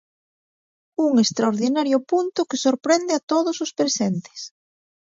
Un extraordinario punto que sorprende a todo os presentes.